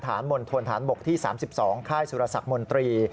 ฐานบนทวนฐานบกที่๓๒ค่ายสุรษักรมนตรี